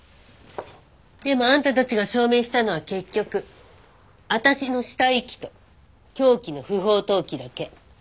でもあんたたちが証明したのは結局私の死体遺棄と凶器の不法投棄だけ。